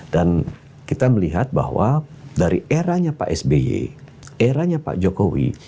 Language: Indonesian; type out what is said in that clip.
dan kita melihat bahwa dari eranya pak sby eranya pak jokowi